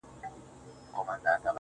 ياد مي دي تا چي شنه سهار كي ويل,